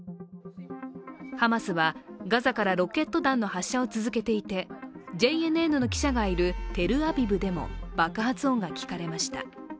ハマスはガザかロケット弾の発射を続けていてＪＮＮの記者があるテルアビブでも爆発音が聞かれました。